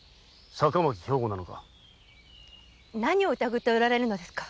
何を疑っておられるのですか。